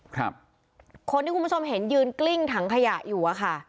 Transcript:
คนที่คุณผู้ชมเห็นยืนกลิ้งถังขยะอยู่อะค่ะ